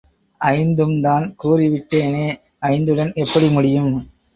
ஐந்தும்தான் கூறிவிட்டேனே! ஐந்துடன் எப்படி முடியும்?